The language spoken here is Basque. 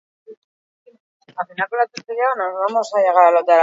Emaitza horrekin, zuri-gorriek beheko postuei begira jarraitu beharko dute.